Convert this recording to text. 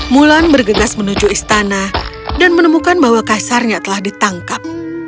mulan bergegas menuju istana dan menemukan bahwa kaisarnya telah ditangkap